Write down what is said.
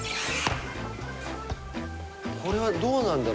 これはどうなんだろ？